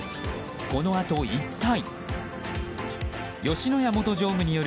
このあと、一体。